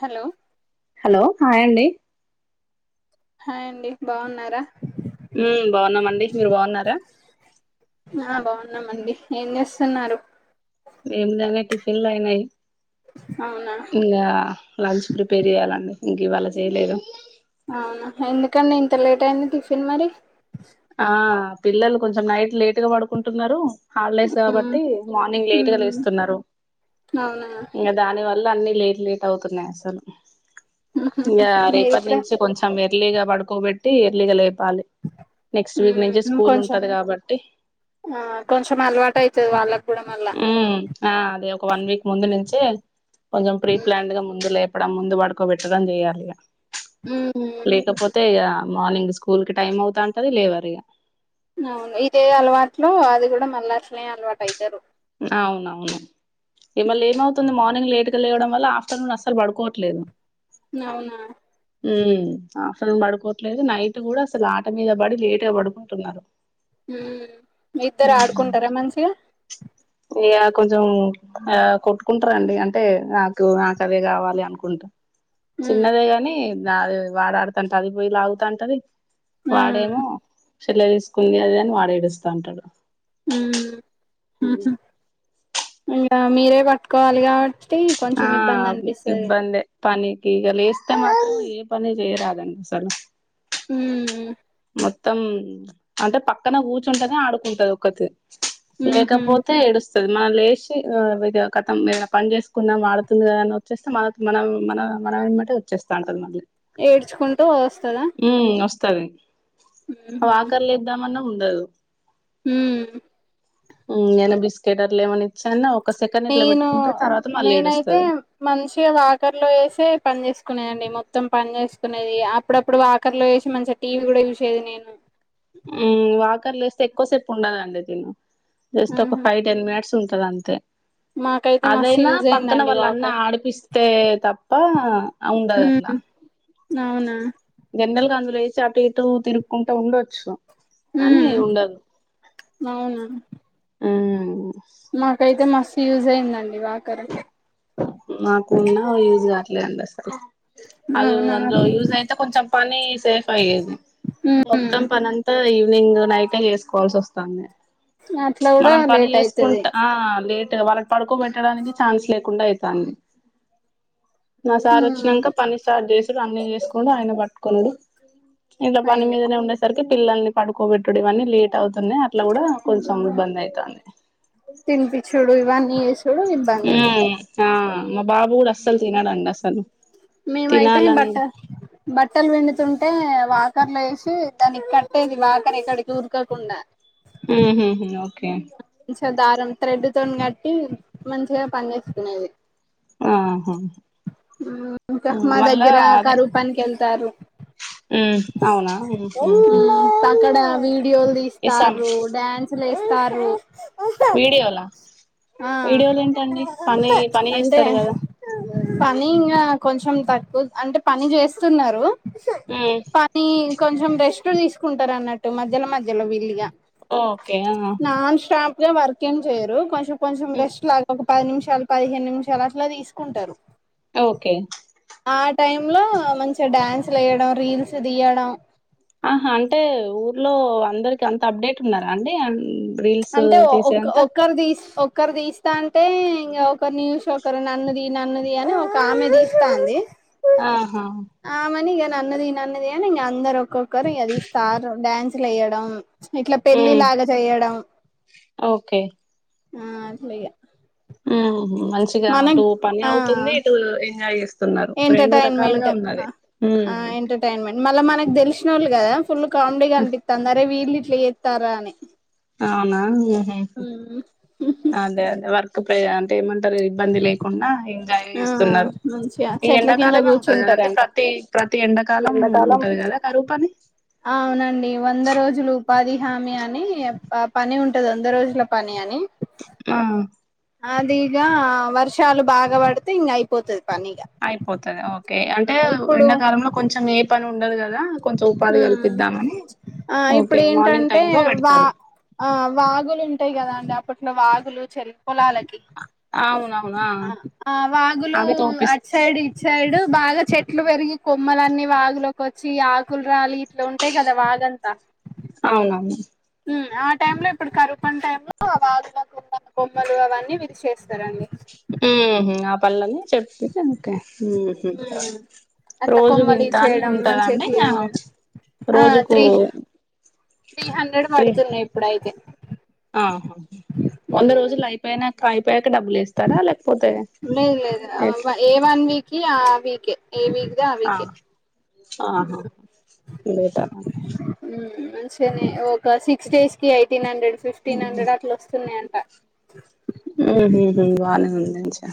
Hello hello hi అండి hi అండి బాగున్నారా ఉ బాగున్నాం అండి మీరు బాగున్నారా ఉన్నామండి ఏం చేస్తున్నారు ఇల్లు అయినాయి అవునా ఇంగా లంచ్ ప్రిపేర్ చేయ్యాలండి ఇంక ఇవాళ చేయలేదు అవునా ఎందుకండి ఇంత లేట్ అయింది టిఫిన్ మరి ఆ పిల్లలు కొంచెం నైట్ లేటు గా పడుకుంటున్నారు హాలిడేస్ మ్మ్ కాబట్టి మార్నింగ్ లేట్ గా మ్మ్ లేస్తున్నారు అవునా ఇంకా దాని వల్ వల్ల అన్ని లేట్ లేట్ అవుతున్నాయి అసలు ఇంకా మీరు రేపటి కూడా నుంచి కొంచెం ఎర్లీగా పడుకోబెట్టి ఎర్లిగ లేేపాలి ఉ ఇంకో కొంచెం ఆ కొంచెం అలవాటు అయితది వాళ్ళకు కూడా మళ్ళా ఉ ఆ అదే ఒక వన్ వీక్ ముందు నుంచే కొంచెం ప్రీ ప్లాన్డ్ గా ముందు దు లేపడం ముందు పడుకోబెట్టడం చేయాలి ఇగ మ్మ్ మ్మ్, లేకపోతే ఇగ మార్నింగ్ స్కూల్ కి టైం అవుతా ఉంటది లేవరు ఇగ అవును ఇదే అలవాట్లో అది కూడా మళ్ళీ అట్లనే అలవాటు అయితరు అవునవును ఏమ ఏమవుతుంది మార్నింగ్ లే లేటుగా లేయడం వల్ల ఆఫటర్నూన్ అస్సలు పడుకోవట్లేదు నవునా ఉ ఆఫ్టర్నూన్ పడుకోవట్లేదు నైట్ కూడా అసలు ఆట మీద పడి లేట్గా పడుకుంటున్నారు ఉ ఇద్దరు ఆడుకుంటారా మంచిగా ఇగ కొంచెం ఆ కొట్టుకుంటారంండి అంటే నాకు నాకు అవే కావాలి అనుకుంటా మ్మ్ చిన్నదే గాని నాది వాడాడుతంటే అది పోయిలాగుతాంటది వాడేమో చెల్ల తీసుకుంది అది ఇది అని వాడు ఏడుస్తా ఉంటాడు ఊ ఉ ఇలా మీరే కట్టుకోవాలి గా ఆ ఇబ్బందే పనికి ఈగ లేేస్త మాత్రం ఏ పని చేయరా దండి అసలు ఊ ఊ మొత్తం అంటే పక్కన కూర్చుంటేనే ఆడుకుంటది ఒక్కత్తే ఉహు లేకపోతే ఏడుస్తుది మనం లేచి ఇగ కతం పని చేస్ కున్నా వాడుతుంది కదా వచ్చేస్తే మనకు మనం మనం మన ఎంబటే వచ్చేస్తా ఉంటుంది మళ్ళీ ఏడ్చుకుంటూ వస్తదా ఉమ్ వస్తది ఉహు వాకర్లో ఇద్దామన్నా ఉండదు ఉమ్ యేన బిస్కెట్ అట్లా ఏమన ఇచ్చన్న ఒక సెకండ్ ఇట్లా నేను పెట్టుకుంటే తర్వా నేనైతే మంచిగా వాకర్లో వేసే ప చేసుకునేదండి మొత్తం పని చేసుకునేది అప్పుడప్పుడు వాకర్లో వేసి మంచిగా టీవీలు కూడా జూసేది నేను ఉ వాకర్లు ఎస్తే ఎక్కువసేపు ఉండదండి తీను జస్ట్ ఒక ఫైవ్ టెన్ మినిట్స్ ఉంటది అంతే మా అదైనా పక్కన వాళ్ళ అన్న ఆడిపిస్తే తప్ప ఉండదు అట్లా ఉమ్ అవునా జన్నల్గా అందులో ఏసి అటు ఇటు తిరుక్కుంట ఉండొచ్చు కానీ ఉ ఉండదు అవును ఊ మాకైతే మస్తు యూజ్ అయిందండి వాకరు నాకున్న యూజ్ కావట్లేదండి అసలు అది అవునా అందులో యూజ్ అయితే కొంచెం పని సేఫ్ అయ్యేది ఉమ్ మొత్తం పనంతా ఈవినింగ్ నైటె చేసుకోవాల్సి వస్తాంది అట్లా కూడా మనం పని లేట్ అయితది చేసుకుంట ఆ లేదు వాళ్ళ పడుకోబెట్టడానికి ఛాన్స్ లేకుండా అయితాంది నా సార్ ఉమ్ వచ్చినంక పని స్టార్ట్ చేసుడు అన్ని చేసుకుండు ఆయన పట్టుకునుడు ఇంగ పని అయ్యో మీదనే ఉండేసరికి పిల్లల్ని పడుకోబెట్టుడు ఇవన్నీ లేట్ అవుతున్నాయి ఇట్ల కూడా కొంచెం ఇబ్బంది అయితాంది తినిపిచుడు ఇవన్నీ ఏస్ ఊ ఆ మా బాబు కూడా అస్సలు తినడండి అసలు మేమయితే తినాలని బట్ట బట్టలు విండుతుంటే వా కర్లు లేసి దానికి కట్టేది వాకర్ ఎక్కడికి ఊరకకుండా ఉహుహు ఓకే మంచిగా దారం త్రెడ్తోని కట్టి మంచిగా పని చేసుకునేది ఆహా ఉమ్ ఇంకా మా మళ్ళా దగ్గర అదే కరువు పనికి వెళ్తారు ఉమ్ అవునా ఉహు అక్కడా వీడియోలు ఇసాం తీస్తారు డ్యాన్సులు లేస్తారు వీడియోలా వీడియోలు ఏంటండి పని పని చేస్తారు కదా పనింగా కొంచెం తక్కువ అంటే పని చేస్తున్నారు ఉమ్ పని కొంచెం రెస్ట్ తీసుకుంటారు అన్నట్టు మధ్యలో మధ్యలో వీల్లిగా ఓకే ఆ స్టాంప్ గా వర్కేమ్ చేయరు కొంచెం కొంచెం మ్మ్ రెస్ట్ లాగా పది నిమిషాలు పదిహేను నిమిషాలు అట్లా తీసుకుంటారు. ఓకే ఆ టైమ్ లో మంచిగా డ్యాన్స్ లేయడం రీల్స్ తీయడం ఆహా అంటే ఊర్లో అందరికి అంత అప్డేట్ ఉన్నారా అండి. అన్ అంటే ఒ ఒక్ ఒక్కర్ తీస్ ఒకరు తీస్తాంటే ఇంగ ఒకరిని చూసి ఒకరు నన్నుది నన్నుది అని ఒక ఆమె తీస్తాంది. ఆ ఆమెనీయ నన్నుది నన్నుది అని ఇంగ అందరు ఒక్కొక్కరిది తీస్తారు డాన్సు లేయ్యడం. ఇట్ల ఉమ్ పెళ్లిలాగ చేయ్యడం. ఓకే ఆ అట్లేగా మ్ హో మంచిగా అటు పని ఆ అవుతుంది. ఇటు ఎంజాయ్ చేస్తు ఎంటర్టైన్మెంట్ ఆ ఉమ్ ఎంటర్టైన్మెంట్ మళ్ళ మనకి తెలిసి నోళ్ళు కదా ఫుల్ కామెడీగనిపిత్తాంది అరే వీళ్ళు ఇట్లాచేత్తారా అని అవునా మ్ హు అదే అదే వర్ క్ ప్రే అంటే ఏమంటారు ఇబ్బంది లేకుండా ఎంజాయ్ ఆ చెస్తున్నరు. మంచిగా ఈ చెట్ల కింద ఎండకాలమే ఉంటది కదండి కూర్చుంటారంట ప్రతి ప్రతి ఎండాకాలం ఉంట ది కదా కరువు పని అవునండి వంద రోజులు ఉపాధి హామీ అని అ పని ఉంటది వంద రోజుల పని అని ఆ అదిగా వర్షాలు బాగా పడితే ఇంగయిపోతది. అయిపోతది ఓకే అంటే ఇప్పుడు ఎండాకాలంలో కొంచెం ఏ పని ఉండదు కదా కదా కొంచెం ఉపాధి ఉమ్ కల్పిద్దామని ఆ ఇప్పుడు ఓకే మార్నింగ్ ఏంటంటే టైమ్ లో వా పెడతారు ఆ వాగులుంటాయి కదా అండి అప్పు అప్పట్లో వాగులు చెర్ పొలాలకి అవునవునా ఆ వాగులు అవి తోపిస్ అట్ సైడు ఇట్ సైడు బాగా చెట్లు పెరిగి కొమ్మలన్నీ వాగులోకి వచ్ వచ్చి ఆకుల రాలి ఇట్లా ఉంటాయి కదా వాగంతా అవునవును. మ్ ఆ టైంలో ఇప్పుడు కరువుపని టైంలో వాగుల కొమ్మ కొమ్మలు అవన్నీ విరి చేస్తారండి. మ్ హూ ఆ పల్లన్ని చెప్పి తనకే మ్ హూ అట్లా రోజుకి కొమ్మలి ఇంతా అని చేయడం మంచిగా ఉంటదండి ఇగ క్లీన్ చేయడం ఆ రోజుకు త్రీ త్రీ హండ్రెడ్ త్రీ పడుతున్నాయి ఇప్పుడైతే ఆహా! వంద రోజులయిపోయినాక అయిపోయాక డబ్బులేస్తారా లేకపో లేదు లేదు ఏ వన్ వీక్ కి ఆ వీకే ఏ వీక్ ది ఆ వీకే. ఆహా! బేటరండి. మంచిగనే ఒక సిక్స్ డేస్కి ఎయిటీన్ హండ్రెడ్ ఫిఫ్టీన్ హండ్రెడ్ అట్లా వస్తున్నాయంట మ్ హు హు బానే ఉంది మంచిగా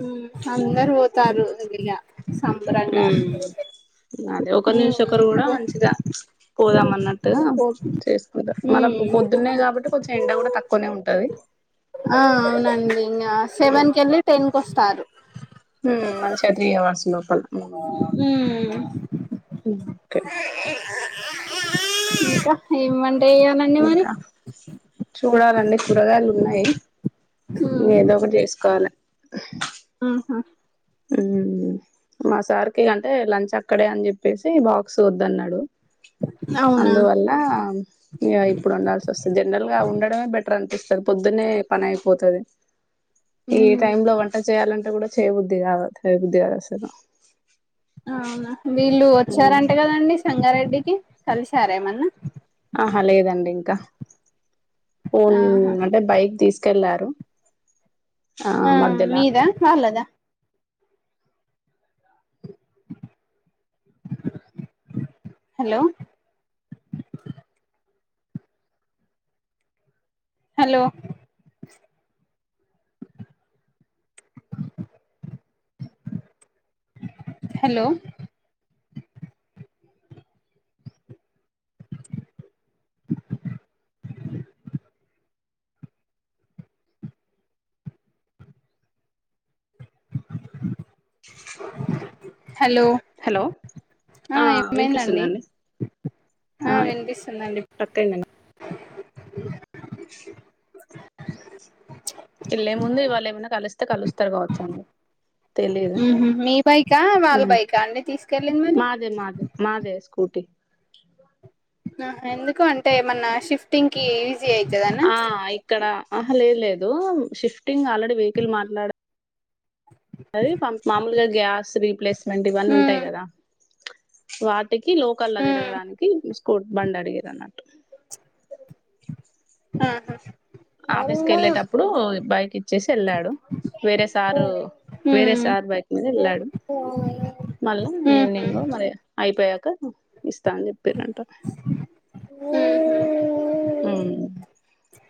మ్ అందరు పోతారు ఇలా సంభరంగా ఊమ్ అదే ఒకళ్ళిని చూషి ఒకరు కూడా మంచిగా పోదామన్నట్టుగా చేసుకుంటారు మళ్ళ పొద్దున్నే కాబట్టి కొంచెం ఎండ కూడా తక్కువనే ఉంటది. ఆ అవునండి ఇంగ ఊమ్ సెవెన్ కెళ్ళి టెన్కి వస్తారు. హ్మ్ మంచిగ త్రీ హౌర్స్ లో ఉమ్ కే ఇంక ఏం చేయాలండి మరి చూడాలండి కూరగాయలు ఉన్నయి ఏదో ఒకటి చేసుకోవాలె. ఆహా ఉమ్ మా సార్కి అంటే లంచ్ అక్కడే అని చెప్పేసి బాక్స్ వద్దన్నాడు. అవునా అందువల్ల ఇగ ఇప్పుడు వండాల్సి వస్తుంది, జనరల్ గా ఉండడమే బెట్ అన్పిస్తది పొద్దునే పని అయిపోతది, ఇగ ఈ ఉమ్ టైం లో వంట చేయాలంటే కూడా చేయ్ బుద్ధిగాదు, చేయ్ బుద్ధి కాదసలు అవునా వీళ్ళు వచ్చారంట కదండి సంగారెడ్డికి కలిసారేమన్నా? ఆహ లేదండి ఇంకా, ఫోన్ ఆహా అంటే బైక్ తీస్ కెళ్ళారు ఆ మీద వాళ్ళదా? [inaudible] Hello hello [inaudible] hello [inaudible] hello hello ఆ ఏమైందండి? ఆ వినిపిస్తుందండి. కట్ అయిందండి ఇళ్ళలే ముంది వాళ్లేమన్నా కలిస్తే కలుస్తారు కావచ్చు ఆళ్ళు తెలీదు ఉహు మీ బైకా వాళ్ళ ఉమ్, బైకా అండి తీసుకెళ్ళింది మరి మాదే మాదే మాదే ఏస్ ఓటీ ఆ ఎందుకు అంటే ఏమన్నా షిఫ్టింగ్ కి ఈజీ అయితదనా ఆ ఇక్కడ అహ లేదు లేదు, షిఫ్టింగ్ ఆల్రెడీ వెహికల్ మాట్లాడ టది మ మామూలుగా గ్యాస్ రీప్లేస్మెంట్ ఇవన్నీ ఉంటయి ఉమ్ కదా వాట్ టికి లోకల్ల తిరగడానికి స్కూట్ బండ్ అడిగారన్నట్టు [inaudible] ఆహా ఆఫీస్కి ఎళ్ళేటప్పుడు బైక్ ఇచ్చేసి ఎళ్ళాడు. వేరే సారు వేరే సార్ బైక్ మీద ఎళ్ళాడు ఓ మళ్ళా ఈవినింగ్ మరి అయిపోయాక ఇస్తానని చెప్పిరంట. ఉమ్ ఉమ్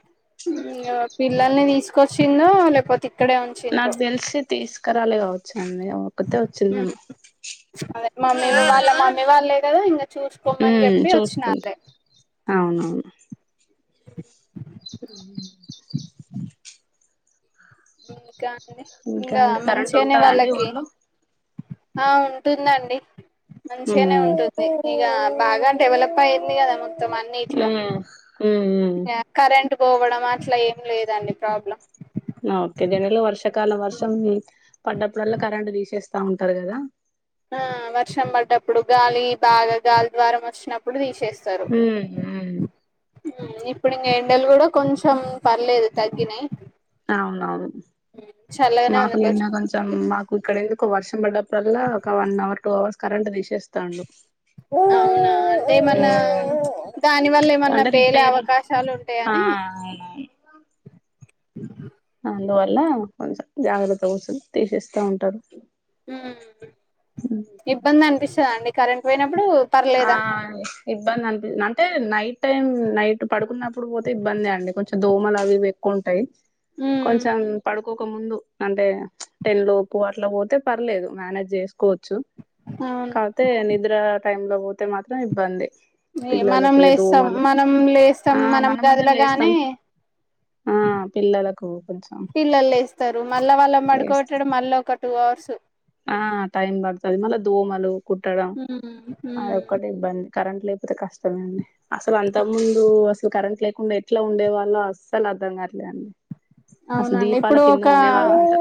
ఇంగ పిల్లల్ని తీసుకొచ్చిందో లేకపోతే ఇక్కడే నాకు ఉంచిండ్రో తెలిసి తీసుకురాలే కావచ్చు అ ఏమో ఒక్కతే వచ్చింది ఏమో అదే మమ్మీ ఉమ్ వాళ్ళ మమ్మీ వాళ్ళే కదా ఇంగ చూసుకోమని చెప్పి వచ్చినాలే అవును [inaudible] ఉమ్ ఇంకా అండి ఇంకా ఇంగా అండి కరెంట్ మంచిగనే ఉంటదా అండి వాళ్ళకి ఊర్లో ఆ ఉంటుందండి ఉమ్ మంచిగానే ఉంటుంది ఇక బాగా డెవలప్ అయింది కదా మొత్తం అన్నిట్లో మ్మ్ మ్మ్ మ్మ్ కరెంట్ పోవడం అట్లా ఏం లేదండి ప్రాబ్లం ఓకే దనలో వర్షాకాలం వర్షం పడ్డప్పుడల్లా కరెంట్ తీసేస్తా ఉంటారు కదా ఆ వర్షం పడ్డప్పుడు గాలి బాగా గాలి ద్వారం వచ్చినప్పుడు తీసేస్త మ్మ్ హ్మ్ ఇప్పుడు ఇంకా ఎండలు కూడా కొంచెం పర్లేదు తగ్గినాయి అవునవును చల్లగానే మాకు ఉంది నిన్న కొంచెం మాకు ఇక్కడా ఎండు ఒక వర్షం పడ్డప్పుడల్లా ఒక one hour two hours current తీసేస్తాండు ఓ ఏమన్నా ఉమ్ దాని వల్ల ఏమన్నా అంటే పేలే రిపేర్లు అవకాశాలు ఆ ఉంటాయని అవునవును అందువల్ల కొంచెం జాగ్రత్త కోసం తీసేస్తా ఉంటారు ఇబ్బంది అనిపిస్తదా అండి కరెంట్ పోయినా ఆ ఇబ్బంది అనిపి అంటే నైట్ టైం నైట్ పడుకున్నప్పుడు పోతే ఇబ్బంది అండి కొంచెం దోమలు అవి ఇవి ఎక్కువ ఉంటాయి ఉమ్ కొంచెం పడు ఇంక్కొక ముందు అంటే టెన్ లోప్పు అట్ల పోతే పర్లేదు మేనేజ్ చేస్ కోవచ్చు అవును కాతే నిద్ర టైం లో పోతే మాత్రం ఇబ్బంది మనం పిల్లలకు లేస్తాం దోమలు మనం లేస్తాం ఆ మనం మనమంటే లేస్తాం గదిలోగానే ఆ పిల్లలకు కొంచెం పిల్లలు లేస్తారు మళ్ళా వాళ్ళ లేస్త మడుకోట్టడం మళ్ళా ఒక టు హా అవర్స్ ఆ టైమ్ బడతది మల్ల దోమ హ్మ్ ఆ ఒక్కటి ఇబ్బంది కరెంట్ లేకపోతే కష్టమే అండి అసలు అంత ముందు అసలు కరెంట్ లేకుండా ఎట్లా ఉండే వాళ్ళో అసలు అర్థం కావట్లేద్ అండి అసలు అవునండి దీపాల ఇప్పుడు కింద ఒక ఉండే వాళ్ళంట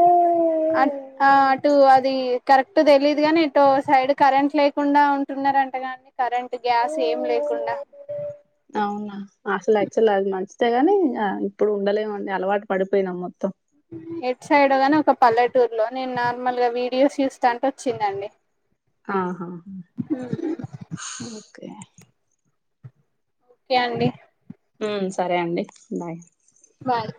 అటు అది కరెక్ట్ తెలీయదు గానీ ఎటో సైడ్ కరెంట్ లేకుండా ఉంటున్నారంట కానీ కరెంట్ గ్యాస్ ఏం లేదు కుడా అంతేగాని ఇప్పుడు ఉండలేమండి అలవాటు పడిపోయినాం మొత్తం ఎట్ సైడ్ గాని ఒక పల్లెటూరులో నేను నార్మల్ గా వీడియోస్ చూస్తాంటే వచ్చిందండి ఆహా ఓకే ఓకే అండి సరే అండి బాయ్ బాయ్